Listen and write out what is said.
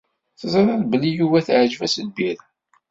Teẓriḍ belli Yuba teɛǧeb-as lbira.